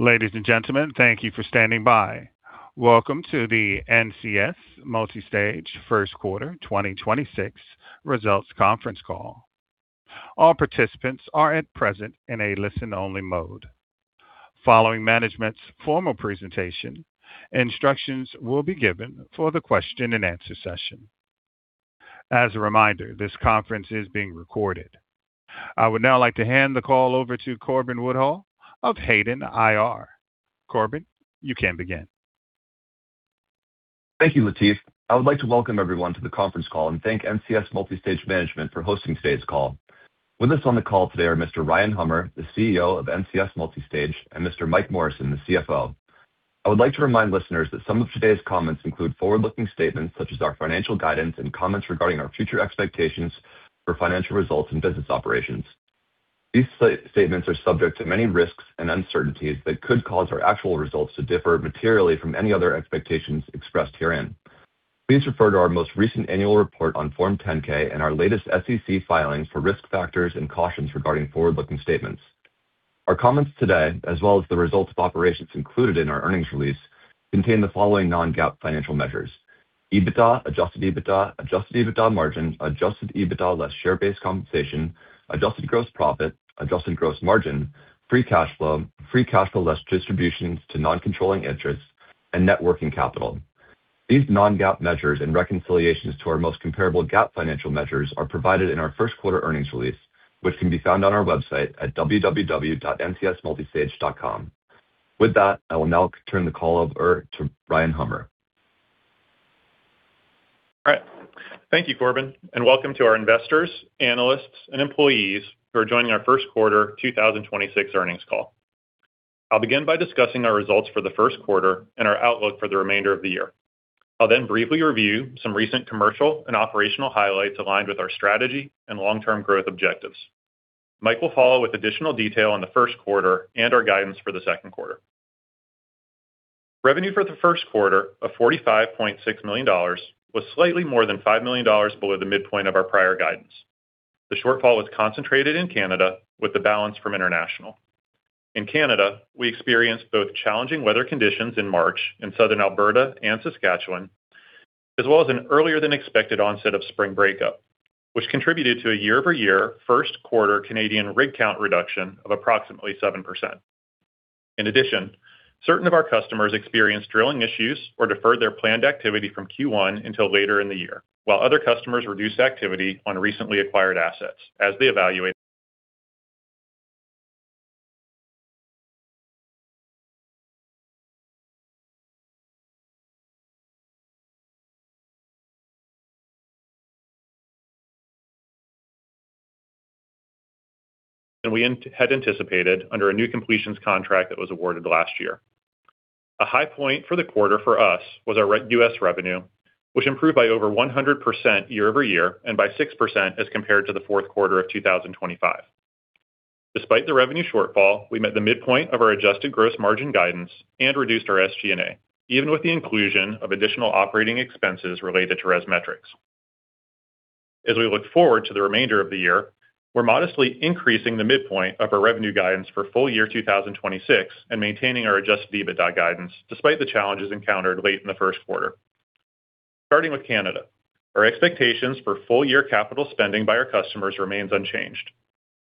Ladies and gentlemen, thank you for standing by. Welcome to the NCS Multistage Q1 2026 results conference call. All participants are at present in a listen-only mode. Following management's formal presentation, instructions will be given for the question and answer session. As a reminder, this conference is being recorded. I would now like to hand the call over to Corbin Woodhull of Hayden IR. Corbin, you can begin. Thank you, Latif. I would like to welcome everyone to the conference call and thank NCS Multistage management for hosting today's call. With us on the call today are Mr. Ryan Hummer, the CEO of NCS Multistage, and Mr. Mike Morrison, the CFO. I would like to remind listeners that some of today's comments include forward-looking statements such as our financial guidance and comments regarding our future expectations for financial results and business operations. These statements are subject to many risks and uncertainties that could cause our actual results to differ materially from any other expectations expressed herein. Please refer to our most recent annual report on Form 10-K and our latest SEC filings for risk factors and cautions regarding forward-looking statements. Our comments today, as well as the results of operations included in our earnings release, contain the following non-GAAP financial measures: EBITDA, adjusted EBITDA, adjusted EBITDA margin, adjusted EBITDA less share-based compensation, adjusted gross profit, adjusted gross margin, free cash flow, free cash flow less distributions to non-controlling interests, and net working capital. These non-GAAP measures and reconciliations to our most comparable GAAP financial measures are provided in our Q1 earnings release, which can be found on our website at www.ncsmultistage.com. With that, I will now turn the call over to Ryan Hummer. All right. Thank you, Corbin Woodhull, and welcome to our investors, analysts, and employees who are joining our Q1 2026 earnings call. I'll begin by discussing our results for the Q1 and our outlook for the remainder of the year. I'll then briefly review some recent commercial and operational highlights aligned with our strategy and long-term growth objectives. Mike will follow with additional detail on the Q1 and our guidance for the Q2. Revenue for the Q1 of $45.6 million was slightly more than $5 million below the midpoint of our prior guidance. The shortfall was concentrated in Canada with the balance from international. In Canada, we experienced both challenging weather conditions in March in southern Alberta and Saskatchewan, as well as an earlier than expected onset of spring breakup, which contributed to a year-over-year Q1 Canadian rig count reduction of approximately 7%. Certain of our customers experienced drilling issues or deferred their planned activity from Q1 until later in the year, while other customers reduced activity on recently acquired assets as they evaluate than we had anticipated under a new completions contract that was awarded last year. A high point for the quarter for us was our U.S. revenue, which improved by over 100% year-over-year and by 6% as compared to the fourth quarter of 2025. Despite the revenue shortfall, we met the midpoint of our adjusted gross margin guidance and reduced our SG&A, even with the inclusion of additional operating expenses related to ResMetrics. As we look forward to the remainder of the year, we're modestly increasing the midpoint of our revenue guidance for full year 2026 and maintaining our adjusted EBITDA guidance despite the challenges encountered late in the Q1. Starting with Canada, our expectations for full year capital spending by our customers remains unchanged.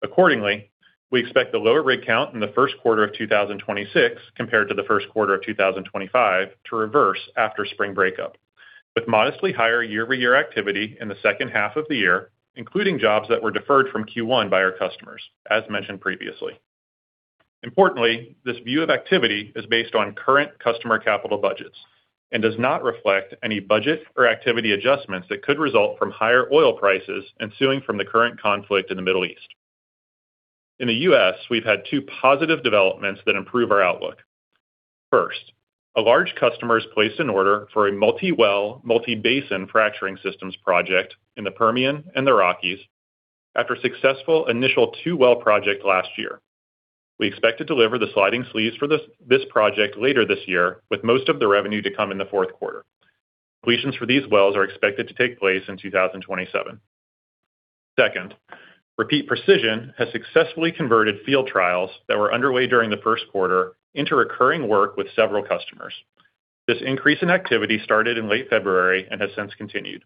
Accordingly, we expect the lower rig count in the Q1 of 2026 compared to the Q1 of 2025 to reverse after spring breakup with modestly higher year-over-year activity in the second half of the year, including jobs that were deferred from Q1 by our customers, as mentioned previously. Importantly, this view of activity is based on current customer capital budgets and does not reflect any budget or activity adjustments that could result from higher oil prices ensuing from the current conflict in the Middle East. In the U.S., we've had two positive developments that improve our outlook. A large customer has placed an order for a multi-well, multi-basin fracturing systems project in the Permian and the Rockies after a successful initial two-well project last year. We expect to deliver the sliding sleeves for this project later this year, with most of the revenue to come in the fourth quarter. Completions for these wells are expected to take place in 2027. Repeat Precision has successfully converted field trials that were underway during the Q1 into recurring work with several customers. This increase in activity started in late February and has since continued.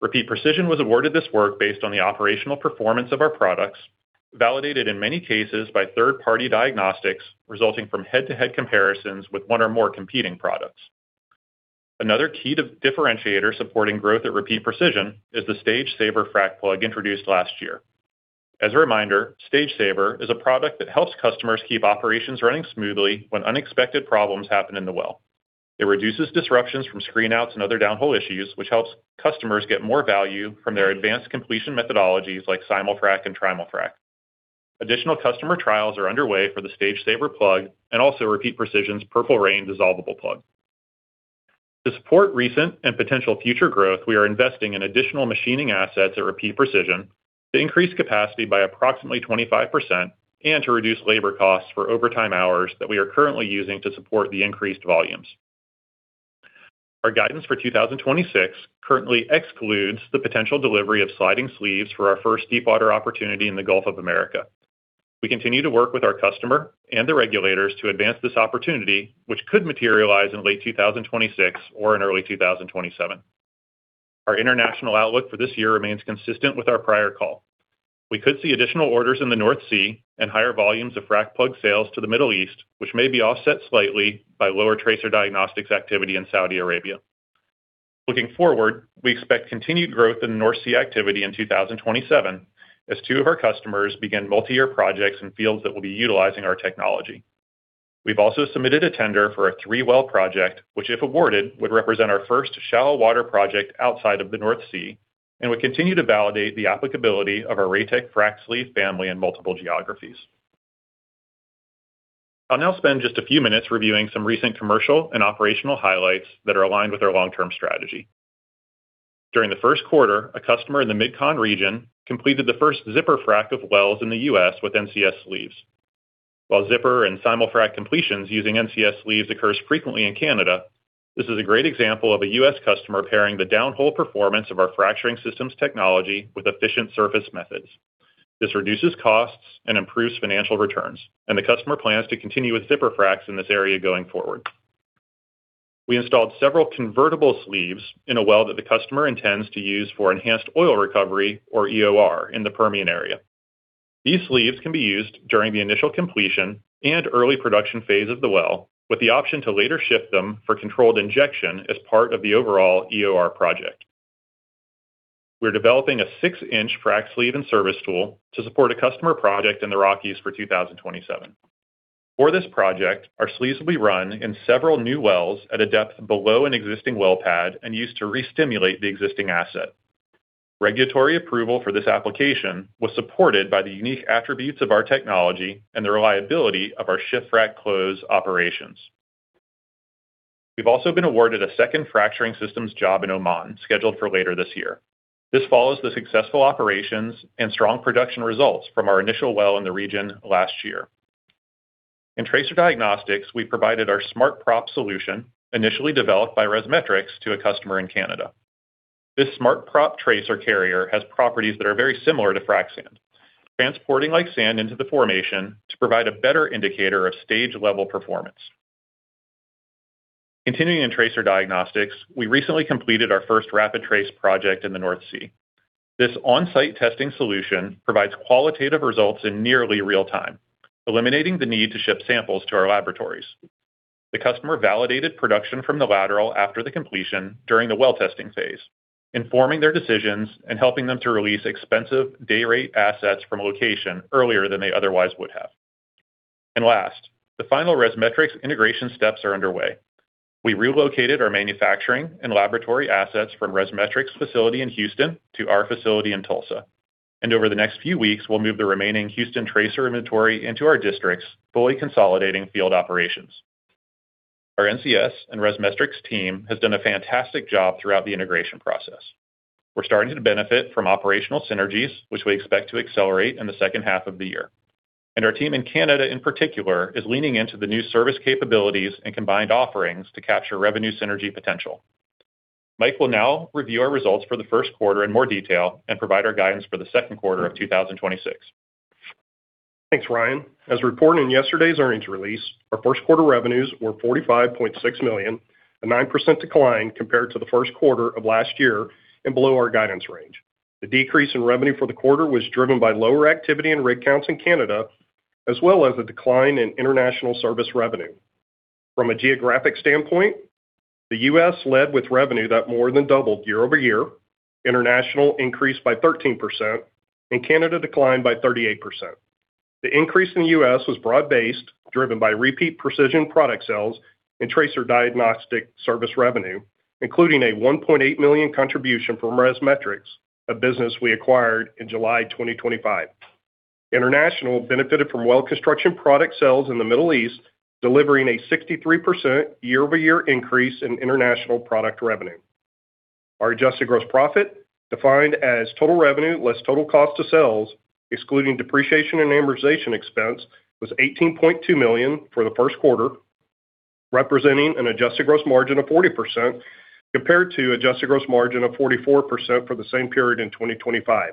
Repeat Precision was awarded this work based on the operational performance of our products, validated in many cases by third-party diagnostics resulting from head-to-head comparisons with one or more competing products. Another key differentiator supporting growth at Repeat Precision is the StageSaver frac plug introduced last year. As a reminder, StageSaver is a product that helps customers keep operations running smoothly when unexpected problems happen in the well. It reduces disruptions from screen outs and other downhole issues, which helps customers get more value from their advanced completion methodologies like Simul-frac and Trimul-frac. Additional customer trials are underway for the StageSaver plug and also Repeat Precision's PurpleReign dissolvable plug. To support recent and potential future growth, we are investing in additional machining assets at Repeat Precision to increase capacity by approximately 25% and to reduce labor costs for overtime hours that we are currently using to support the increased volumes. Our guidance for 2026 currently excludes the potential delivery of sliding sleeves for our first deepwater opportunity in the Gulf of Mexico. We continue to work with our customer and the regulators to advance this opportunity, which could materialize in late 2026 or in early 2027. Our international outlook for this year remains consistent with our prior call. We could see additional orders in the North Sea and higher volumes of frac plug sales to the Middle East, which may be offset slightly by lower tracer diagnostics activity in Saudi Arabia. Looking forward, we expect continued growth in North Sea activity in 2027 as two of our customers begin multi-year projects in fields that will be utilizing our technology. We've also submitted a tender for a three-well project, which, if awarded, would represent our first shallow water project outside of the North Sea and would continue to validate the applicability of our RayTech frac sleeve family in multiple geographies. I'll now spend just a few minutes reviewing some recent commercial and operational highlights that are aligned with our long-term strategy. During the Q1, a customer in the MidCon region completed the first zipper frac of wells in the U.S. with NCS sleeves. While zipper and Simul-frac completions using NCS sleeves occurs frequently in Canada, this is a great example of a U.S. customer pairing the downhole performance of our fracturing systems technology with efficient surface methods. This reduces costs and improves financial returns. The customer plans to continue with zipper fracs in this area going forward. We installed several convertible sleeves in a well that the customer intends to use for enhanced oil recovery or EOR in the Permian area. These sleeves can be used during the initial completion and early production phase of the well, with the option to later shift them for controlled injection as part of the overall EOR project. We're developing a 6-inch frac sleeve and service tool to support a customer project in the Rockies for 2027. For this project, our sleeves will be run in several new wells at a depth below an existing well pad and used to re-stimulate the existing asset. Regulatory approval for this application was supported by the unique attributes of our technology and the reliability of our ShiftFrac Close operations. We've also been awarded a second fracturing systems job in Oman, scheduled for later this year. This follows the successful operations and strong production results from our initial well in the region last year. In tracer diagnostics, we provided our SmartProp solution, initially developed by ResMetrics, to a customer in Canada. This SmartProp tracer carrier has properties that are very similar to frac sand, transporting like sand into the formation to provide a better indicator of stage level performance. Continuing in tracer diagnostics, we recently completed our first RapidTrace project in the North Sea. This on-site testing solution provides qualitative results in nearly real time, eliminating the need to ship samples to our laboratories. The customer validated production from the lateral after the completion during the well-testing phase, informing their decisions and helping them to release expensive dayrate assets from location earlier than they otherwise would have. Last, the final ResMetrics integration steps are underway. We relocated our manufacturing and laboratory assets from ResMetrics facility in Houston to our facility in Tulsa. Over the next few weeks, we'll move the remaining Houston tracer inventory into our districts, fully consolidating field operations. Our NCS and ResMetrics team has done a fantastic job throughout the integration process. We're starting to benefit from operational synergies, which we expect to accelerate in the second half of the year. Our team in Canada, in particular, is leaning into the new service capabilities and combined offerings to capture revenue synergy potential. Mike will now review our results for the Q1 in more detail and provide our guidance for the Q2 of 2026. Thanks, Ryan. As reported in yesterday's earnings release, our Q1 revenues were $45.6 million, a 9% decline compared to the Q1 of last year and below our guidance range. The decrease in revenue for the quarter was driven by lower activity in rig counts in Canada, as well as a decline in international service revenue. From a geographic standpoint, the U.S. led with revenue that more than doubled year-over-year, international increased by 13%, and Canada declined by 38%. The increase in the U.S. was broad-based, driven by Repeat Precision product sales and tracer diagnostics service revenue, including a $1.8 million contribution from ResMetrics, a business we acquired in July 2025. International benefited from well construction product sales in the Middle East, delivering a 63% year-over-year increase in international product revenue. Our adjusted gross profit, defined as total revenue less total cost of sales, excluding depreciation and amortization expense, was $18.2 million for the Q1, representing an adjusted gross margin of 40% compared to adjusted gross margin of 44% for the same period in 2025.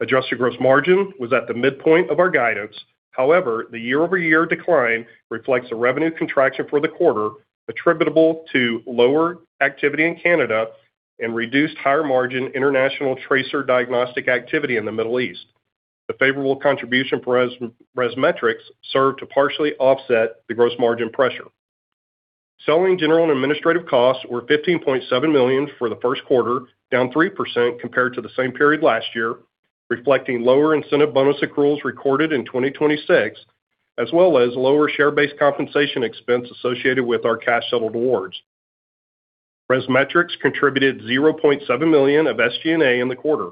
Adjusted gross margin was at the midpoint of our guidance. The year-over-year decline reflects a revenue contraction for the quarter attributable to lower activity in Canada and reduced higher margin international tracer diagnostic activity in the Middle East. The favorable contribution for ResMetrics served to partially offset the gross margin pressure. Selling, general, and administrative costs were $15.7 million for the Q1, down 3% compared to the same period last year, reflecting lower incentive bonus accruals recorded in 2026, as well as lower share-based compensation expense associated with our cash settled awards. ResMetrics contributed $0.7 million of SG&A in the quarter.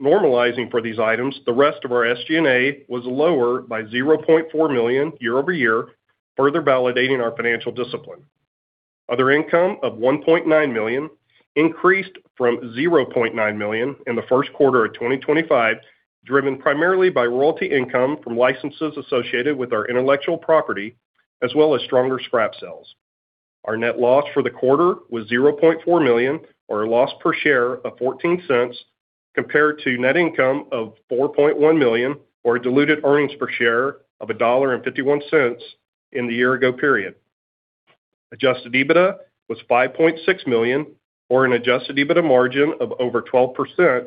Normalizing for these items, the rest of our SG&A was lower by $0.4 million year-over-year, further validating our financial discipline. Other income of $1.9 million increased from $0.9 million in the Q1 of 2025, driven primarily by royalty income from licenses associated with our intellectual property, as well as stronger scrap sales. Our net loss for the quarter was $0.4 million, or a loss per share of $0.14, compared to net income of $4.1 million, or diluted earnings per share of $1.51 in the year-ago period. Adjusted EBITDA was $5.6 million, or an adjusted EBITDA margin of over 12%,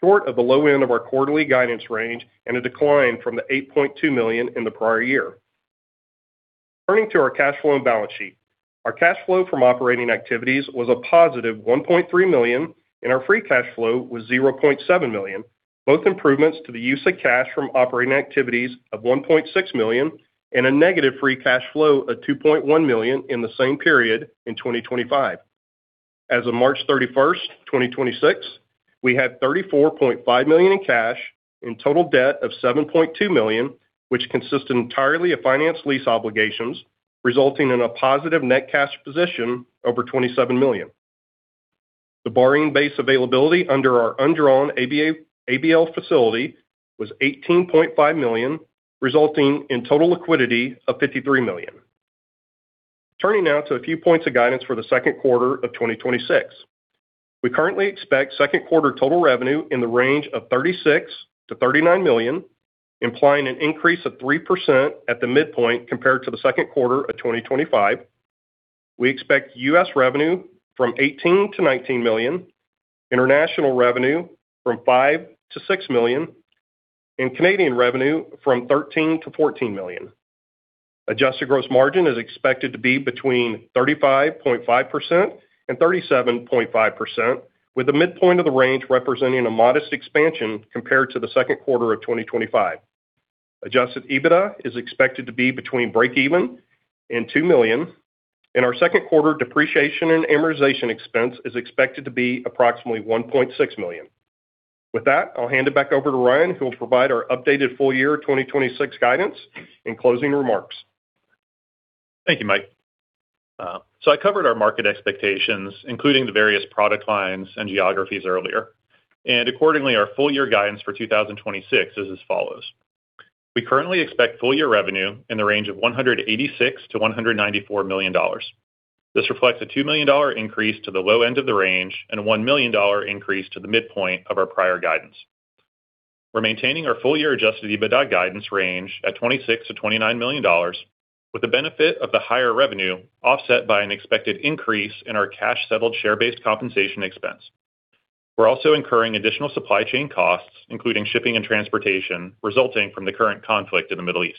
short of the low end of our quarterly guidance range and a decline from the $8.2 million in the prior year. Turning to our cash flow and balance sheet. Our cash flow from operating activities was a positive $1.3 million, and our free cash flow was $0.7 million, both improvements to the use of cash from operating activities of $1.6 million and a negative free cash flow of $2.1 million in the same period in 2025. As of March 31st, 2026, we had $34.5 million in cash and total debt of $7.2 million, which consists entirely of finance lease obligations, resulting in a positive net cash position over $27 million. The borrowing base availability under our undrawn ABL facility was $18.5 million, resulting in total liquidity of $53 million. Turning now to a few points of guidance for the Q2 of 2026. We currently expect Q2 total revenue in the range of $36 million-$39 million, implying an increase of 3% at the midpoint compared to the Q2 of 2025. We expect US revenue from $18 million-$19 million, international revenue from $5 million-$6 million, and Canadian revenue from $13 million-$14 million. Adjusted gross margin is expected to be between 35.5% and 37.5%, with the midpoint of the range representing a modest expansion compared to the Q2 of 2025. Adjusted EBITDA is expected to be between breakeven and $2 million, and our Q2 depreciation and amortization expense is expected to be approximately $1.6 million. With that, I'll hand it back over to Ryan, who will provide our updated full year 2026 guidance and closing remarks. Thank you, Mike Morrison. I covered our market expectations, including the various product lines and geographies earlier. Accordingly, our full-year guidance for 2026 is as follows. We currently expect full-year revenue in the range of $186 million-$194 million. This reflects a $2 million increase to the low end of the range and a $1 million increase to the midpoint of our prior guidance. We're maintaining our full-year adjusted EBITDA guidance range at $26 million-$29 million, with the benefit of the higher revenue offset by an expected increase in our cash-settled share-based compensation expense. We're also incurring additional supply chain costs, including shipping and transportation, resulting from the current conflict in the Middle East.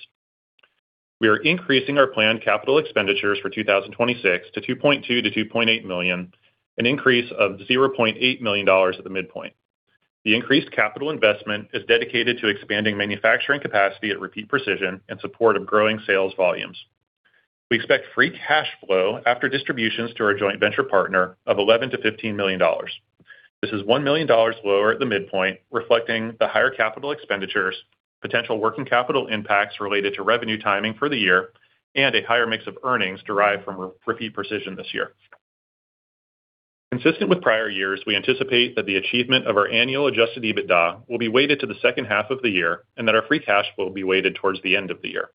We are increasing our planned capital expenditures for 2026 to $2.2 million-$2.8 million, an increase of $0.8 million at the midpoint. The increased capital investment is dedicated to expanding manufacturing capacity at Repeat Precision in support of growing sales volumes. We expect free cash flow after distributions to our joint venture partner of $11 million-$15 million. This is $1 million lower at the midpoint, reflecting the higher capital expenditures, potential working capital impacts related to revenue timing for the year, and a higher mix of earnings derived from Repeat Precision this year. Consistent with prior years, we anticipate that the achievement of our annual adjusted EBITDA will be weighted to the second half of the year and that our free cash flow will be weighted towards the end of the year.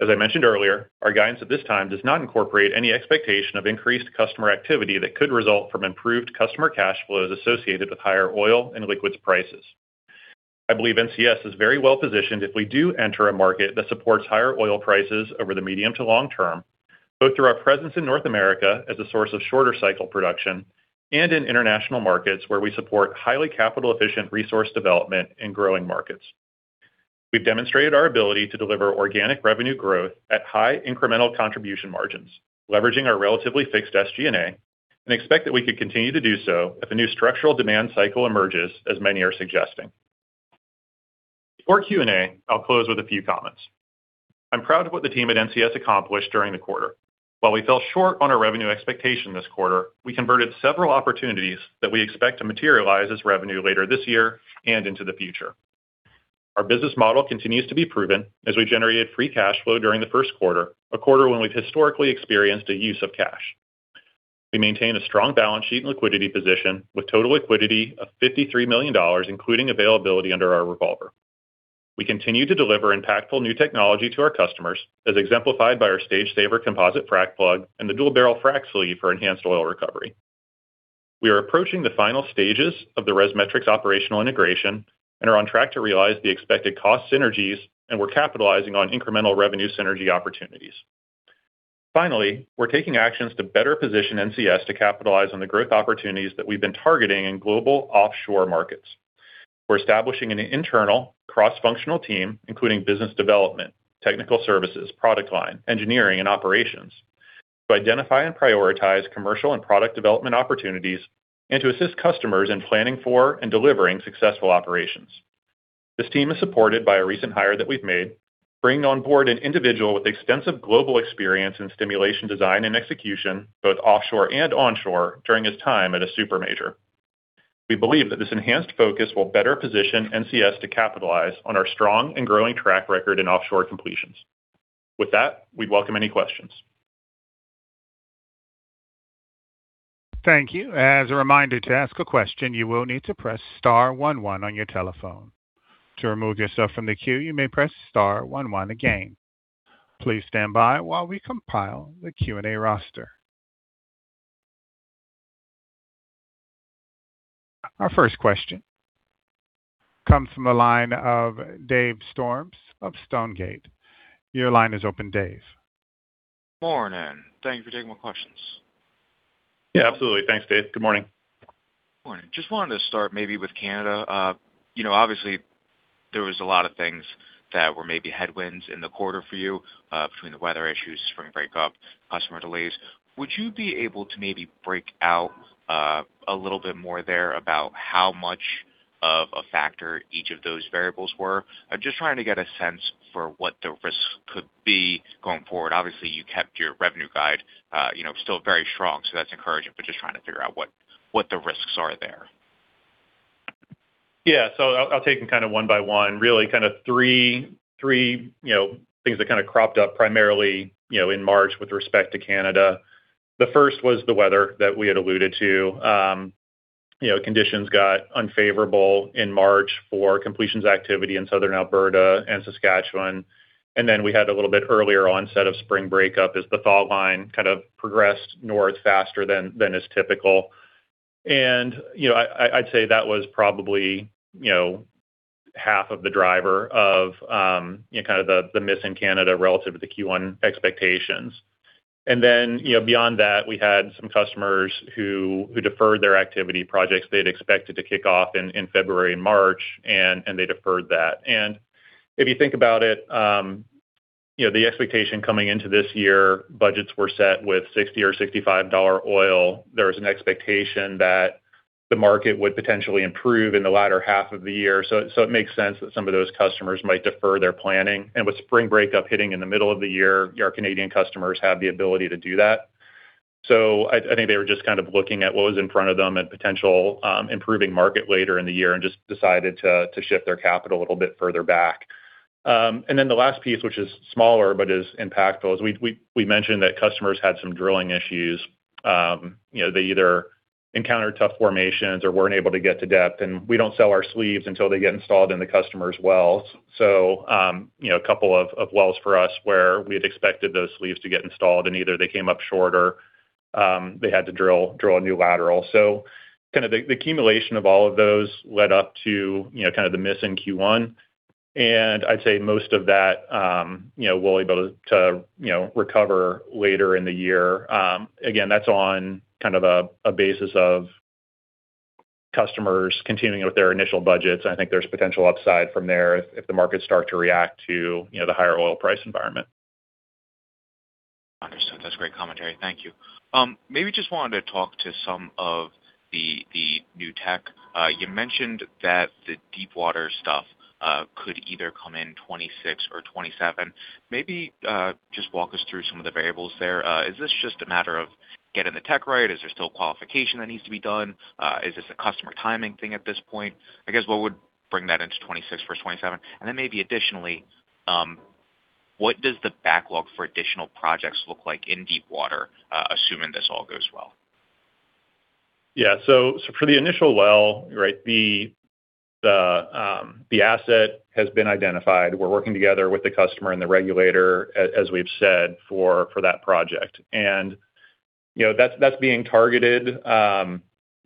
As I mentioned earlier, our guidance at this time does not incorporate any expectation of increased customer activity that could result from improved customer cash flows associated with higher oil and liquids prices. I believe NCS is very well-positioned if we do enter a market that supports higher oil prices over the medium to long term, both through our presence in North America as a source of shorter cycle production and in international markets where we support highly capital-efficient resource development in growing markets. We've demonstrated our ability to deliver organic revenue growth at high incremental contribution margins, leveraging our relatively fixed SG&A, and expect that we could continue to do so if a new structural demand cycle emerges, as many are suggesting. Before Q&A, I'll close with a few comments. I'm proud of what the team at NCS accomplished during the quarter. While we fell short on our revenue expectation this quarter, we converted several opportunities that we expect to materialize as revenue later this year and into the future. Our business model continues to be proven as we generated free cash flow during the Q1, a quarter when we've historically experienced a use of cash. We maintain a strong balance sheet and liquidity position with total liquidity of $53 million, including availability under our revolver. We continue to deliver impactful new technology to our customers, as exemplified by our StageSaver composite frac plug and the DualBarrel frac sleeve for enhanced oil recovery. We are approaching the final stages of the ResMetrics operational integration and are on track to realize the expected cost synergies, we're capitalizing on incremental revenue synergy opportunities. Finally, we're taking actions to better position NCS to capitalize on the growth opportunities that we've been targeting in global offshore markets. We're establishing an internal cross-functional team, including business development, technical services, product line, engineering, and operations, to identify and prioritize commercial and product development opportunities and to assist customers in planning for and delivering successful operations. This team is supported by a recent hire that we've made, bringing on board an individual with extensive global experience in stimulation design and execution, both offshore and onshore, during his time at a super major. We believe that this enhanced focus will better position NCS to capitalize on our strong and growing track record in offshore completions. With that, we welcome any questions. Thank you. As a reminder, to ask a question, you will need to press star one one on your telephone. To remove yourself from the queue, you may press star one one again. Please stand by while we compile the Q&A roster. Our first question comes from the line of Dave Storms of Stonegate. Your line is open, Dave. Morning. Thank you for taking my questions. Yeah, absolutely. Thanks, Dave. Good morning. Morning. Just wanted to start maybe with Canada. You know, obviously there was a lot of things that were maybe headwinds in the quarter for you, between the weather issues, spring break-up, customer delays. Would you be able to maybe break out a little bit more there about how much of a factor each of those variables were? I'm just trying to get a sense for what the risks could be going forward. Obviously, you kept your revenue guide, you know, still very strong, so that's encouraging, but just trying to figure out what the risks are there. Yeah. I'll take them kind of one by one. Really kind of three, you know, things that kind of cropped up primarily, you know, in March with respect to Canada. The first was the weather that we had alluded to. You know, conditions got unfavorable in March for completions activity in Southern Alberta and Saskatchewan. We had a little bit earlier onset of spring breakup as the thaw line kind of progressed north faster than is typical. You know, I'd say that was probably, you know, half of the driver of, you know, kind of the miss in Canada relative to the Q1 expectations. You know, beyond that, we had some customers who deferred their activity projects they'd expected to kick off in February and March, and they deferred that. If you think about it, you know, the expectation coming into this year, budgets were set with $60 or $65 oil. There was an expectation that the market would potentially improve in the latter half of the year. It makes sense that some of those customers might defer their planning. With spring breakup hitting in the middle of the year, our Canadian customers have the ability to do that. I think they were just kind of looking at what was in front of them and potential improving market later in the year and just decided to shift their capital a little bit further back. The last piece, which is smaller but is impactful, is we mentioned that customers had some drilling issues. You know, they either encountered tough formations or weren't able to get to depth, and we don't sell our sleeves until they get installed in the customer's wells. You know, a couple of wells for us where we had expected those sleeves to get installed and either they came up short or, they had to drill a new lateral. The accumulation of all of those led up to, you know, kind of the miss in Q1. I'd say most of that, you know, we'll be able to, you know, recover later in the year. Again, that's on a basis of customers continuing with their initial budgets. I think there's potential upside from there if the markets start to react to, you know, the higher oil price environment. Understood. That's great commentary. Thank you. Maybe just wanted to talk to some of the new tech. You mentioned that the deep water stuff could either come in 2026 or 2027. Maybe just walk us through some of the variables there. Is this just a matter of getting the tech right? Is there still qualification that needs to be done? Is this a customer timing thing at this point? I guess, what would bring that into 2026 versus 2027? Maybe additionally, what does the backlog for additional projects look like in deep water, assuming this all goes well? Yeah. So for the initial well, right, the asset has been identified. We're working together with the customer and the regulator, as we've said, for that project. You know, that's being targeted.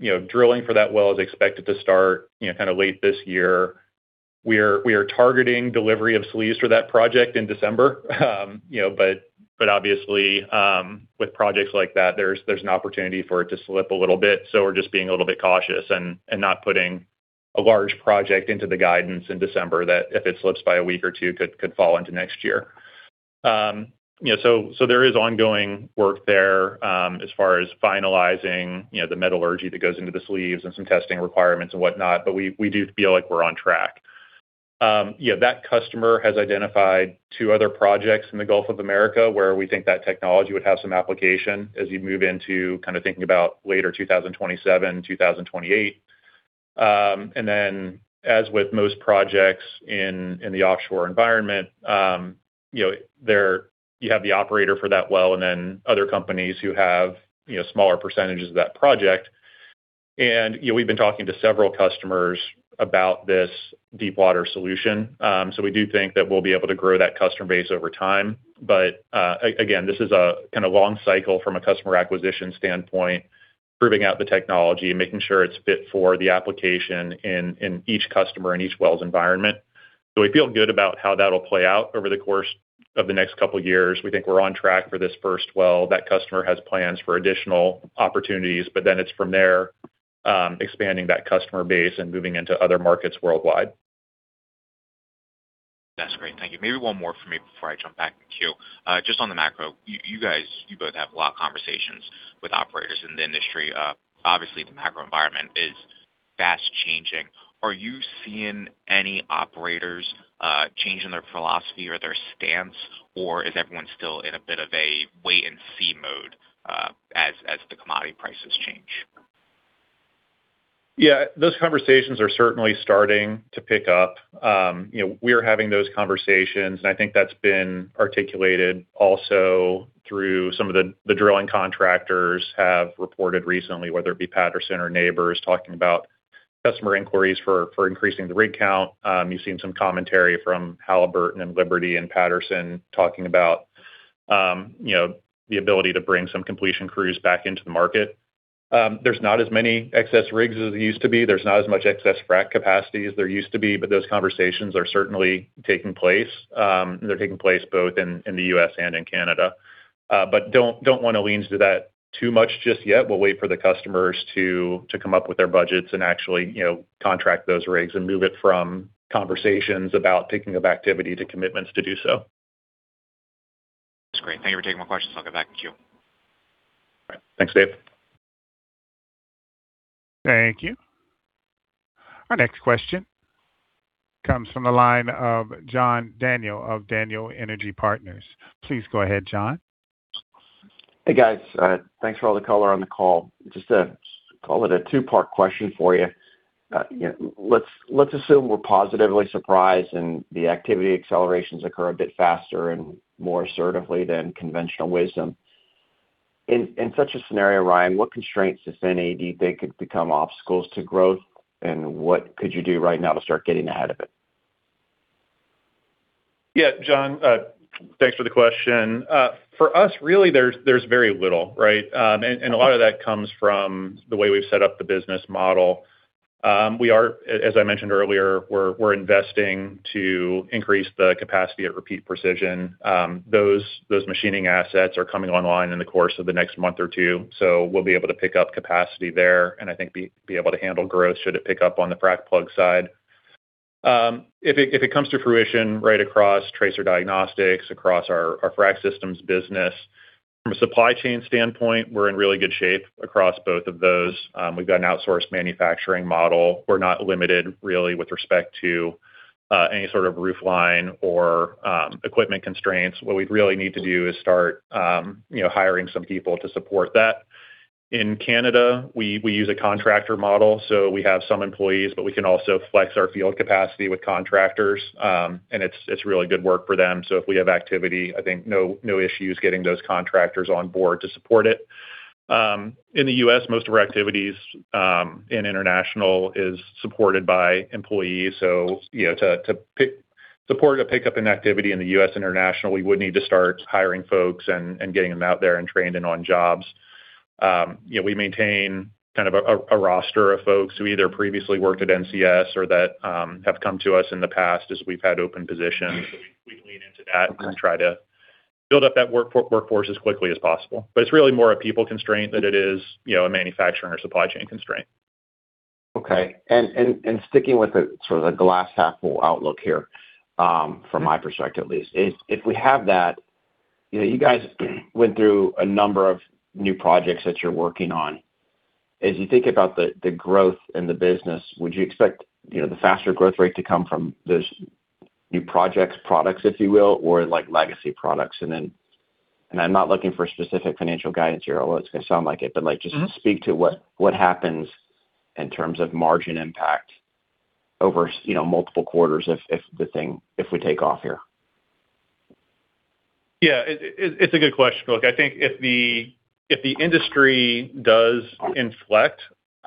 You know, drilling for that well is expected to start, you know, kind of late this year. We are targeting delivery of sleeves for that project in December. You know, but obviously, with projects like that, there's an opportunity for it to slip a little bit, so we're just being a little bit cautious and not putting a large project into the guidance in December that if it slips by one week or two could fall into next year. You know, there is ongoing work there, as far as finalizing, you know, the metallurgy that goes into the sleeves and some testing requirements and whatnot, but we do feel like we're on track. Yeah, that customer has identified two other projects in the Gulf of America, where we think that technology would have some application as you move into kinda thinking about later 2027, 2028. As with most projects in the offshore environment, you know, there you have the operator for that well and then other companies who have, you know, smaller percentages of that project. You know, we've been talking to several customers about this deep water solution. We do think that we'll be able to grow that customer base over time. Again, this is a kinda long cycle from a customer acquisition standpoint, proving out the technology, making sure it's fit for the application in each customer, in each well's environment. We feel good about how that'll play out over the course of the next couple years. We think we're on track for this first well. That customer has plans for additional opportunities, it's from there expanding that customer base and moving into other markets worldwide. That's great. Thank you. Maybe one more for me before I jump back in queue. On the macro, you guys, you both have a lot of conversations with operators in the industry. Obviously, the macro environment is fast-changing. Are you seeing any operators changing their philosophy or their stance, or is everyone still in a bit of a wait and see mode as the commodity prices change? Yeah, those conversations are certainly starting to pick up. You know, we're having those conversations, and I think that's been articulated also through some of the drilling contractors have reported recently, whether it be Patterson or Nabors, talking about customer inquiries for increasing the rig count. You've seen some commentary from Halliburton and Liberty and Patterson talking about, you know, the ability to bring some completion crews back into the market. There's not as many excess rigs as there used to be. There's not as much excess frac capacity as there used to be, but those conversations are certainly taking place. And they're taking place both in the U.S. and in Canada. But don't wanna lean into that too much just yet. We'll wait for the customers to come up with their budgets and actually, you know, contract those rigs and move it from conversations about picking up activity to commitments to do so. That's great. Thank you for taking my questions. I'll get back in queue. All right. Thanks, Dave. Thank you. Our next question comes from the line of John Daniel of Daniel Energy Partners. Please go ahead, John. Hey, guys. Thanks for all the color on the call. Call it a two-part question for you. You know, let's assume we're positively surprised and the activity accelerations occur a bit faster and more assertively than conventional wisdom. In such a scenario, Ryan, what constraints, if any, do you think could become obstacles to growth, and what could you do right now to start getting ahead of it? Yeah, John, thanks for the question. For us, really there's very little, right? A lot of that comes from the way we've set up the business model. We are, as I mentioned earlier, we're investing to increase the capacity at Repeat Precision. Those machining assets are coming online in the course of the next month or two, so we'll be able to pick up capacity there, and I think be able to handle growth should it pick up on the frac plug side. If it comes to fruition right across tracer diagnostics, across our frac systems business, from a supply chain standpoint, we're in really good shape across both of those. We've got an outsourced manufacturing model. We're not limited really with respect to any sort of roof line or equipment constraints. What we'd really need to do is start, you know, hiring some people to support that. In Canada, we use a contractor model, so we have some employees, but we can also flex our field capacity with contractors. It's really good work for them, so if we have activity, I think no issues getting those contractors on board to support it. In the U.S., most of our activities in international is supported by employees. You know, to support a pickup in activity in the U.S. international, we would need to start hiring folks and getting them out there and trained and on jobs. You know, we maintain kind of a roster of folks who either previously worked at NCS or that have come to us in the past as we've had open positions. We can lean into that. Okay.... and try to build up that workforce as quickly as possible. It's really more a people constraint than it is, you know, a manufacturing or supply chain constraint. Okay. Sticking with the sort of the glass half full outlook here, from my perspective at least, if we have that, you know, you guys went through a number of new projects that you're working on. As you think about the growth in the business, would you expect, you know, the faster growth rate to come from those new projects, products, if you will, or like legacy products? I'm not looking for specific financial guidance here, although it's gonna sound like it. Mm-hmm.... speak to what happens in terms of margin impact over you know, multiple quarters if the thing, if we take off here. It's a good question. I think if the industry does inflect,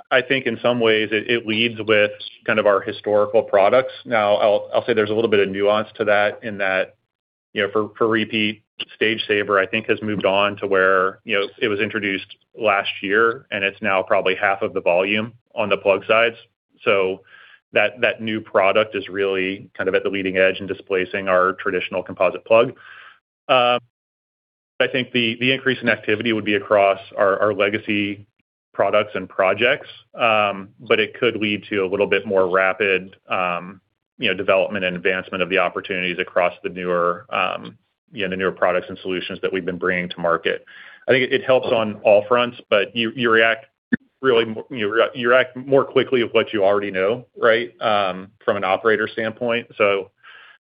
I think in some ways it leads with kind of our historical products. I'll say there's a little bit of nuance to that in that, you know, for Repeat, StageSaver I think has moved on to where, you know, it was introduced last year, and it's now probably half of the volume on the plug sides. That new product is really kind of at the leading edge in displacing our traditional composite plug. I think the increase in activity would be across our legacy products and projects, but it could lead to a little bit more rapid, you know, development and advancement of the opportunities across the newer, you know, the newer products and solutions that we've been bringing to market. I think it helps on all fronts, but you react more quickly of what you already know, right? From an operator standpoint,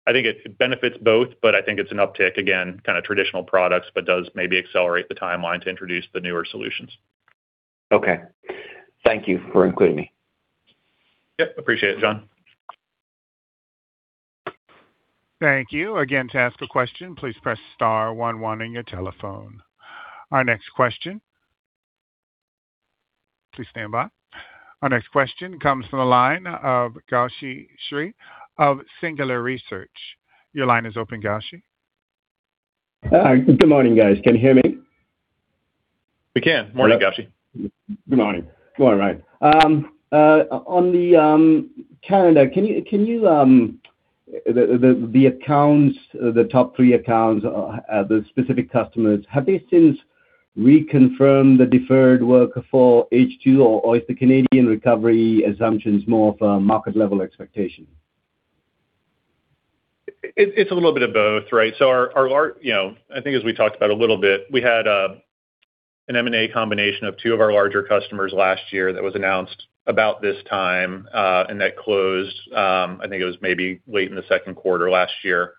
I think it benefits both, but I think it's an uptick, again, kinda traditional products, but does maybe accelerate the timeline to introduce the newer solutions. Okay. Thank you for including me. Yep, appreciate it, John. Thank you. Again, to ask a question, please press star 11 on your telephone. Our next question. Please stand by. Our next question comes from the line of Gowshihan Sriharan of Singular Research. Your line is open, Gowshi. Good morning, guys. Can you hear me? We can. Morning, Gowshi. Good morning. All right. On the calendar, can you the accounts, the top three accounts, the specific customers, have they since reconfirmed the deferred work for H2, or is the Canadian recovery assumptions more of a market-level expectation? It's a little bit of both, right? Our, you know, I think as we talked about a little bit, we had an M&A combination of two of our larger customers last year that was announced about this time, and that closed, I think it was maybe late in the Q2 last year.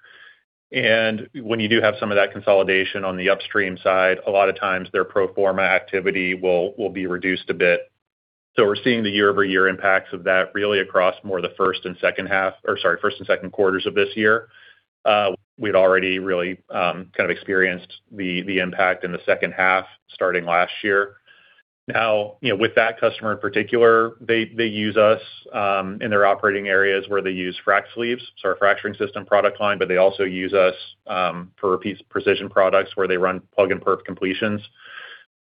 When you do have some of that consolidation on the upstream side, a lot of times their pro forma activity will be reduced a bit. We're seeing the year-over-year impacts of that really across more the first and second half, or sorry, first and Q2s of this year. We'd already really kind of experienced the impact in the second half starting last year. You know, with that customer in particular, they use us in their operating areas where they use frac sleeves, so our fracturing system product line, they also use us for precision products where they run plug and perf completions.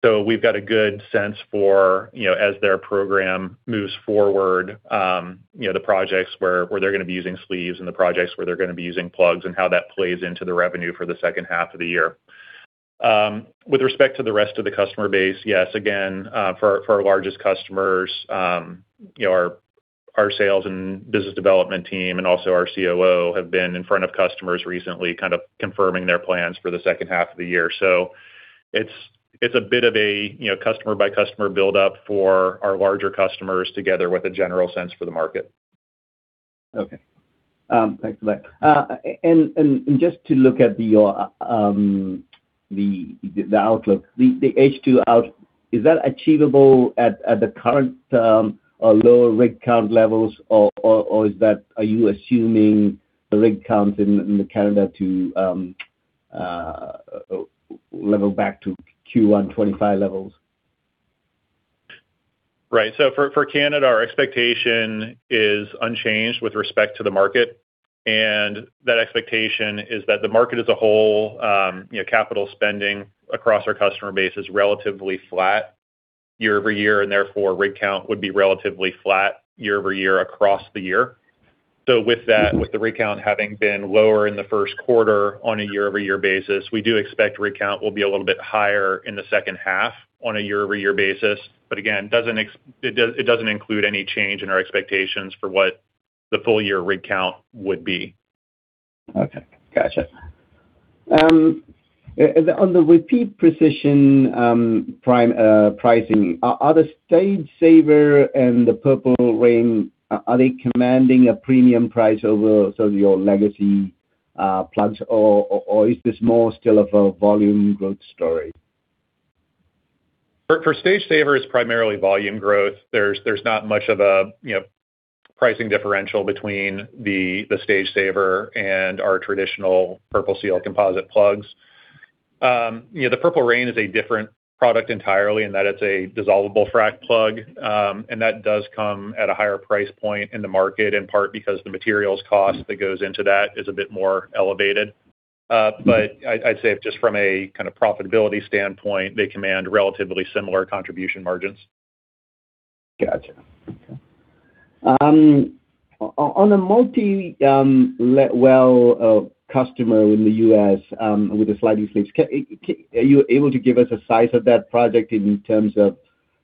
We've got a good sense for, you know, as their program moves forward, you know, the projects where they're gonna be using sleeves and the projects where they're gonna be using plugs and how that plays into the revenue for the 2nd half of the year. With respect to the rest of the customer base, yes, again, for our largest customers, you know, our sales and business development team and also our COO have been in front of customers recently kind of confirming their plans for the 2nd half of the year. It's a bit of a, you know, customer by customer buildup for our larger customers together with a general sense for the market. Okay. Thanks for that. Just to look at your, the outlook, the H2 out, is that achievable at the current lower rig count levels or is that are you assuming the rig counts in the calendar to level back to Q1 2025 levels? Right. For Canada, our expectation is unchanged with respect to the market, and that expectation is that the market as a whole, you know, capital spending across our customer base is relatively flat year-over-year, and therefore, rig count would be relatively flat year-over-year across the year. With that, with the rig count having been lower in the Q1 on a year-over-year basis, we do expect rig count will be a little bit higher in the second half on a year-over-year basis. Again, it doesn't include any change in our expectations for what the full-year rig count would be. Okay. Gotcha. On the Repeat Precision pricing, are the StageSaver and the PurpleReign commanding a premium price over some of your legacy plugs or is this more still of a volume growth story? For StageSaver, it's primarily volume growth. There's not much of a, you know, pricing differential between the StageSaver and our traditional PurpleSeal composite plugs. You know, the PurpleReign is a different product entirely in that it's a dissolvable frac plug, and that does come at a higher price point in the market, in part because the materials cost that goes into that is a bit more elevated. I'd say just from a kind of profitability standpoint, they command relatively similar contribution margins. Gotcha. Okay. On a multi-well customer in the U.S. with the sliding sleeves, are you able to give us a size of that project in terms of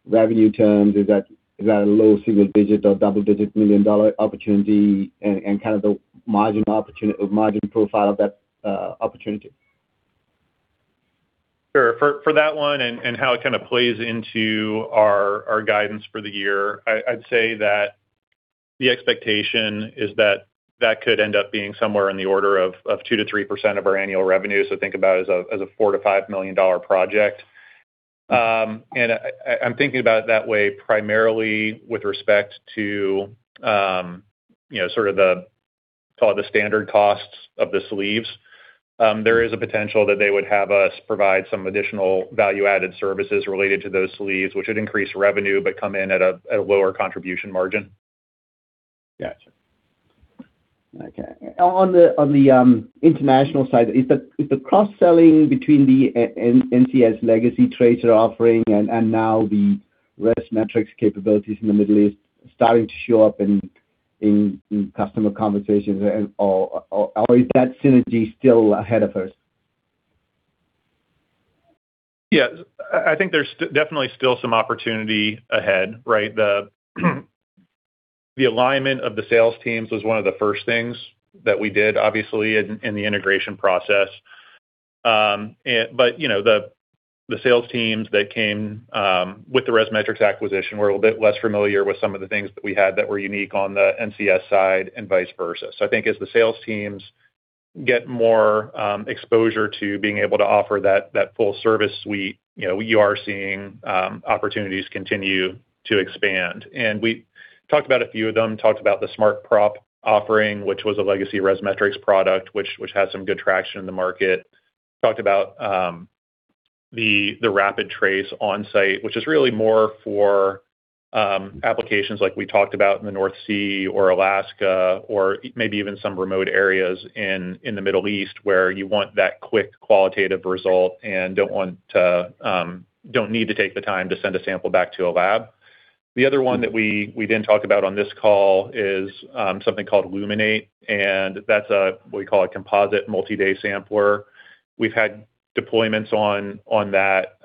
revenue terms? Is that, is that a low single-digit or double-digit million-dollar opportunity and kind of the margin profile of that opportunity? Sure. For that one and how it kinda plays into our guidance for the year, I'd say that the expectation is that that could end up being somewhere in the order of 2%-3% of our annual revenue, so think about it as a $4 million-$5 million project. I'm thinking about it that way primarily with respect to, you know, sort of the, call it the standard costs of the sleeves. There is a potential that they would have us provide some additional value-added services related to those sleeves, which would increase revenue but come in at a lower contribution margin. Gotcha. Okay. On the international side, is the cross-selling between the NCS legacy tracer offering and now the ResMetrics capabilities in the Middle East starting to show up in customer conversations or is that synergy still ahead of us? Yeah. I think there's definitely still some opportunity ahead, right? The alignment of the sales teams was one of the first things that we did, obviously, in the integration process. You know, the sales teams that came with the ResMetrics acquisition were a little bit less familiar with some of the things that we had that were unique on the NCS side and vice versa. I think as the sales teams get more exposure to being able to offer that full service suite, you know, you are seeing opportunities continue to expand. We talked about a few of them, talked about the SmartProp offering, which was a legacy ResMetrics product, which has some good traction in the market. Talked about the RapidTrace onsite, which is really more for applications like we talked about in the North Sea or Alaska or maybe even some remote areas in the Middle East, where you want that quick qualitative result and don't want to, don't need to take the time to send a sample back to a lab. The other one that we didn't talk about on this call is something called Luminate, and that's a what we call a composite multi-day sampler. We've had deployments on that.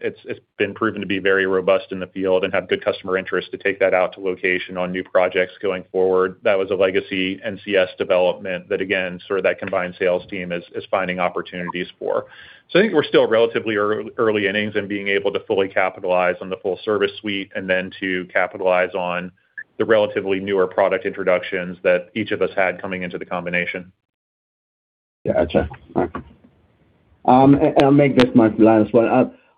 It's been proven to be very robust in the field and have good customer interest to take that out to location on new projects going forward. That was a legacy NCS development that again, sort of that combined sales team is finding opportunities for. I think we're still relatively early innings in being able to fully capitalize on the full service suite and then to capitalize on the relatively newer product introductions that each of us had coming into the combination. Yeah, gotcha. All right. I'll make this my last one.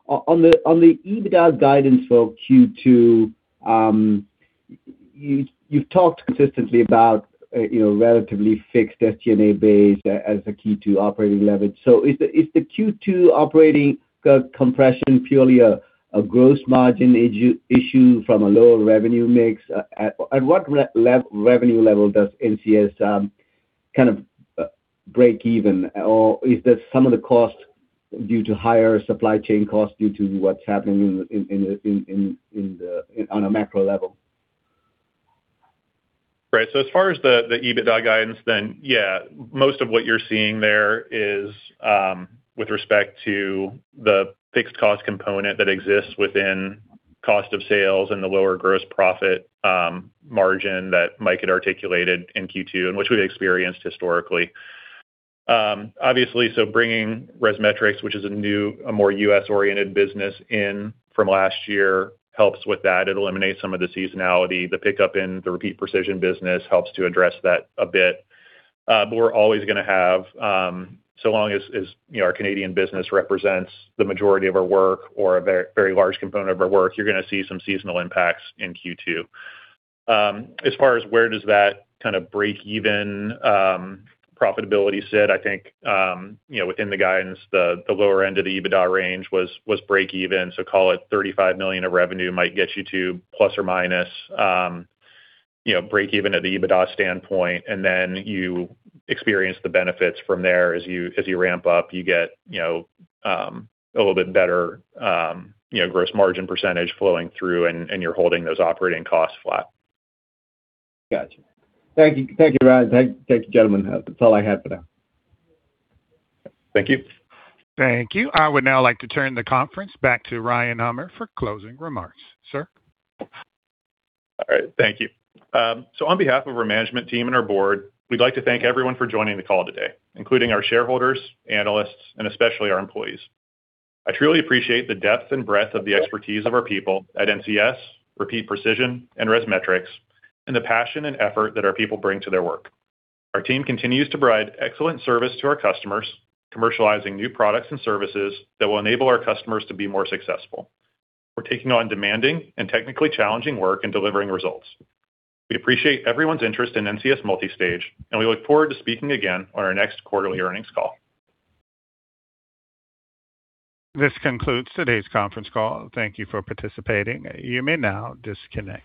On the EBITDA guidance for Q2, you've talked consistently about, you know, relatively fixed SG&A base as a key to operating leverage. Is the Q2 operating compression purely a gross margin issue from a lower revenue mix? At what revenue level does NCS kind of break even? Is that some of the cost due to higher supply chain costs due to what's happening on a macro level? Right. As far as the EBITDA guidance, then yeah, most of what you're seeing there is with respect to the fixed cost component that exists within cost of sales and the lower gross profit margin that Mike had articulated in Q2, and which we've experienced historically. Obviously, bringing ResMetrics, which is a new, a more U.S.-oriented business in from last year, helps with that. It eliminates some of the seasonality. The pickup in the Repeat Precision business helps to address that a bit. We're always gonna have, so long as, you know, our Canadian business represents the majority of our work or a very large component of our work, you're gonna see some seasonal impacts in Q2. As far as where does that kind of break even profitability sit, I think, within the guidance, the lower end of the EBITDA range was break even. Call it $35 million of revenue might get you to plus or minus break even at the EBITDA standpoint. You experience the benefits from there as you ramp up. You get a little bit better gross margin percentage flowing through and you're holding those operating costs flat. Gotcha. Thank you. Thank you, Ryan. Thank you, gentlemen. That's all I had for now. Thank you. Thank you. I would now like to turn the conference back to Ryan Hummer for closing remarks. Sir? All right. Thank you. On behalf of our management team and our board, we'd like to thank everyone for joining the call today, including our shareholders, analysts, and especially our employees. I truly appreciate the depth and breadth of the expertise of our people at NCS, Repeat Precision, and ResMetrics, and the passion and effort that our people bring to their work. Our team continues to provide excellent service to our customers, commercializing new products and services that will enable our customers to be more successful. We're taking on demanding and technically challenging work and delivering results. We appreciate everyone's interest in NCS Multistage, and we look forward to speaking again on our next quarterly earnings call. This concludes today's conference call. Thank you for participating. You may now disconnect.